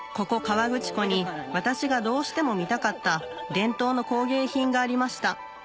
河口湖に私がどうしても見たかった伝統の工芸品がありました